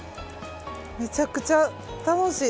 めちゃくちゃ楽しい。